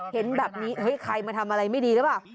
เห็นแบบนี้เฮ้ยใครมาทำอะไรไม่ดีหรือเปล่า